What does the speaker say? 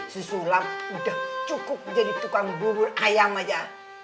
si sulam udah cukup jadi tukang bubur ayam aja